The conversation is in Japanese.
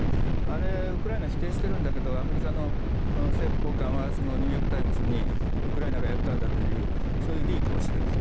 あれ、ウクライナは否定しているんだけどアメリカの政府高官はニューヨーク・タイムズにウクライナがやったんだというそういうリークをしている。